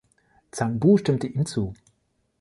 Zhang Bu stimmte ihm zu.